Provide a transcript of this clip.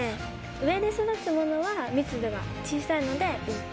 上で育つものは密度が小さいので浮いて。